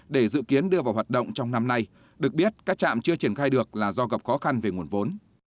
để dự kiến đưa vào hoạt động trong năm nay được biết các trạm chưa triển khai được là do gặp khó khăn về nguồn vốn